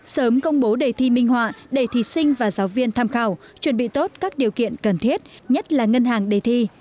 sớm công bố đề thi minh họa để thí sinh và giáo viên tham khảo chuẩn bị tốt các điều kiện cần thiết nhất là ngân hàng đề thi